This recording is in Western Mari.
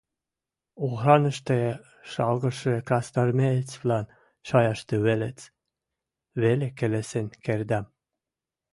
охранышты шалгышы красноармеецвлӓн шаяшты вӹлец веле келесен кердӓм.